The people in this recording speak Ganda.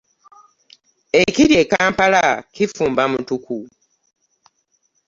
Ekiri e kampala kifumba mutuku.